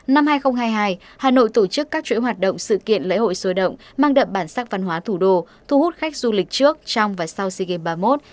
năm hai nghìn hai mươi hai hà nội tổ chức các chuỗi hoạt động sự kiện lễ hội sôi động mang đậm bản sắc văn hóa thủ đô thu hút khách du lịch trước trong và sau sea games ba mươi một